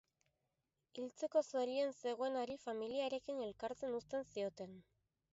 Hiltzeko zorian zegoenari familiarekin elkartzen uzten zioten.